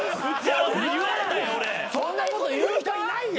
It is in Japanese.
そんなこと言う人いないよ。